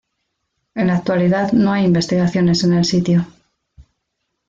En la actualidad no hay investigaciones en el sitio.